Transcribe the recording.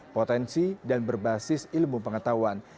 potensi dan berbasis ilmu pengetahuan